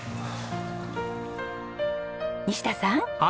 西田さん